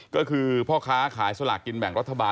ก็คือพ่อค้าขายสลากกินแบ่งรัฐบาล